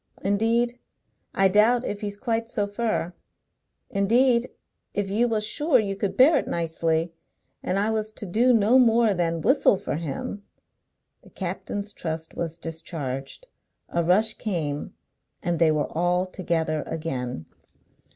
Indeed, I doubt if he's quite so fur. Indeed, if you was sure you could bear it nicely, and I was to do no more than whistle for him " The captain's trust was discharged. A rush came, and they were all together again.